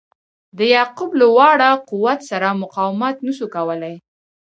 د یعقوب له واړه قوت سره مقاومت نه سو کولای.